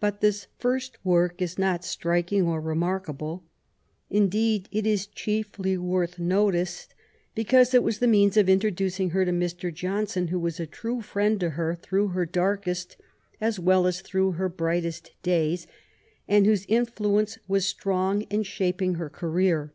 But this first work is not striking or remarkable. Indeed, it is chiefly worth notice because it was the means of introducing her to Mr. Johnson, who was a true friend to her through her darkest, as well as through her brightest days, and whose influence was strong in shaping her career.